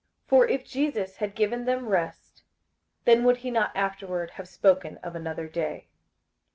58:004:008 For if Jesus had given them rest, then would he not afterward have spoken of another day.